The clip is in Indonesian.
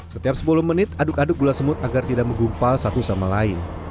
setiap sepuluh menit aduk aduk gula semut agar tidak menggumpal satu sama lain